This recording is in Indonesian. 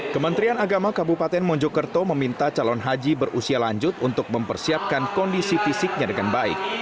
kementerian agama kabupaten mojokerto meminta calon haji berusia lanjut untuk mempersiapkan kondisi fisiknya dengan baik